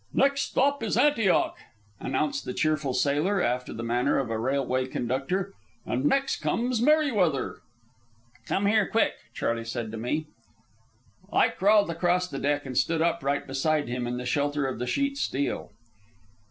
"Next stop is Antioch!" announced the cheerful sailor, after the manner of a railway conductor. "And next comes Merryweather!" "Come here, quick," Charley said to me. I crawled across the deck and stood upright beside him in the shelter of the sheet steel.